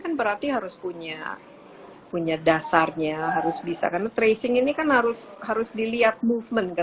jangan berhenti harus punyabunyah punya dasarnya harus bisa coming to ising ini calar tablespoon